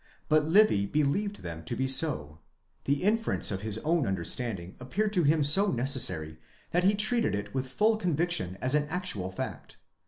But Livy believed them to be so. The inference of his own understanding appeared to him so neces sary, that he treated it with full conviction as an actual fact.